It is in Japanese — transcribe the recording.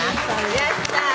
いらっしゃい。